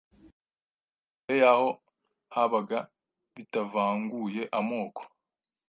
Mbere yaho habaga bitavanguye amoko,